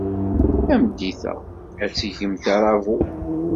Tameddit-a, ad d-tgemt aṛabul.